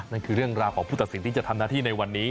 นั่นคือเรื่องราวของผู้ตัดสินที่จะทำหน้าที่ในวันนี้